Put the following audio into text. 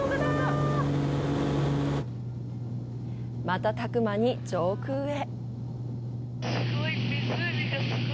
瞬く間に上空へ。